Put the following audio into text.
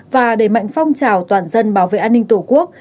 và đẩy mạnh phong trào toàn dân bảo vệ an ninh tổ quốc